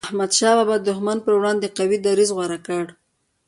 احمد شاه بابا د دښمن پر وړاندي قوي دریځ غوره کړ.